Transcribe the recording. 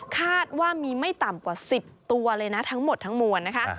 คาดว่ามีไม่ต่ำกว่า๑๐ตัวเลยนะทั้งหมดทั้งมวลนะคะ